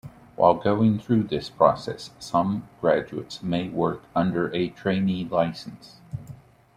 While going through this process, some graduates may work under a Trainee License.